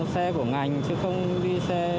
xe của ngành chứ không đi xe